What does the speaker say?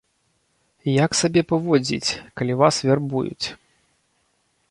Як сябе паводзіць, калі вас вярбуюць?